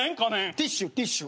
ティッシュティッシュ